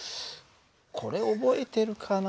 これ覚えてるかな？